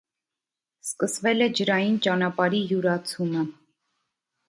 Սկսվել է ջրային ճանապարհի յուրացումը։